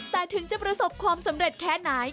แต่ถึงจะประสบความสำเร็จแค่ไหน